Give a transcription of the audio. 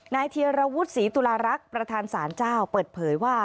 เทียรวุฒิศรีตุลารักษ์ประธานศาลเจ้าเปิดเผยว่า